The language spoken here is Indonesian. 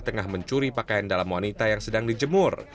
tengah mencuri pakaian dalam wanita yang sedang dijemur